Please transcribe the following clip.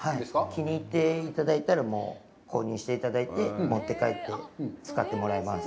気に入っていただいたら、購入していただいて、持って帰って使ってもらえます。